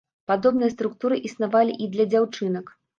Падобныя структуры існавалі і для дзяўчынак.